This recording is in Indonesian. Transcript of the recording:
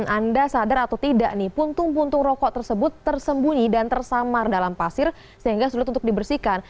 anda sadar atau tidak nih puntung puntung rokok tersebut tersembunyi dan tersamar dalam pasir sehingga sulit untuk dibersihkan